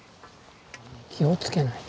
気をつけないと。